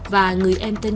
và người em tên trương